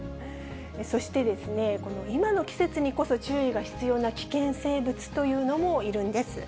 そして、今の季節にこそ注意が必要な危険生物というのもいるんです。